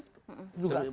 tertanya ini gini